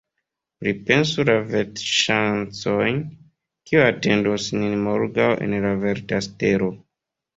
Pripensu la vetŝancojn, kiuj atendos nin morgaŭ en La Verda Stelo!